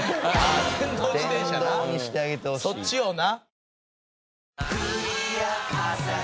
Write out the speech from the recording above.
そっちをな。